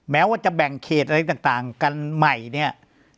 แม้ว่าจะแบ่งเขตอะไรต่างกันใหม่เนี่ย